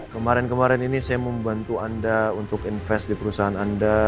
kemarin kemarin ini saya membantu anda untuk invest di perusahaan anda